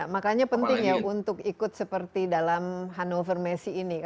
makanya penting untuk ikut seperti dalam hannover messe ini